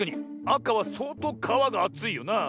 あかはそうとうかわがあついよなあ。